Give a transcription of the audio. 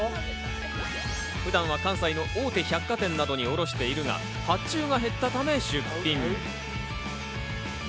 普段は関西の大手百貨店などに卸しているが、発注が減ったため出品。